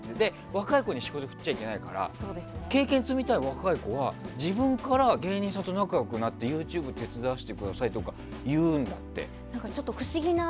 若い子に仕事振っちゃいけないから経験積みたい若い子は自分から芸人さんと仲良くなってＹｏｕＴｕｂｅ手伝わせてくださいとか言うんだって。